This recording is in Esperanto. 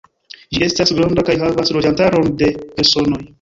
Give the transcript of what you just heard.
Ĝi estas granda kaj havas loĝantaron de personoj.